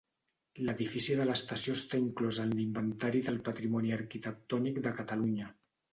L'edifici de l'estació està inclòs en l'Inventari del Patrimoni Arquitectònic de Catalunya.